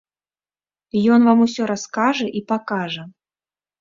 Ён вам усё раскажа і пакажа.